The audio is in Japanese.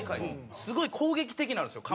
すごい攻撃的になるんですよ